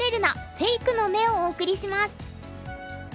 フェイクの目」をお送りします。